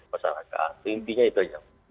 masyarakat intinya itu saja